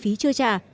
phí chưa trả